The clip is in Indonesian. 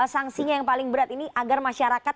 sanksinya yang paling berat ini agar masyarakat